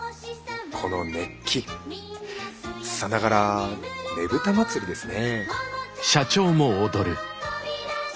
この熱気さながらねぶた祭ですね。